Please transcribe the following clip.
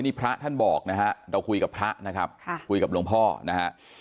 นี่พระท่านบอกนะฮะเราคุยกับพระนะครับคุยกับหลวงพ่อนะฮะ